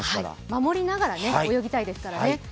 守りながら泳ぎたいですからね。